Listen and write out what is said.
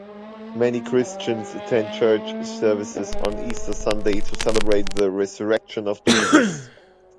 Many Christians attend church services on Easter Sunday to celebrate the resurrection of Jesus.